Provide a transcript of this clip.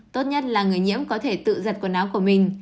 tốt nhất là người nhiễm có thể tự giật quần áo của mình